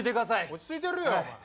落ち着いてるよお前。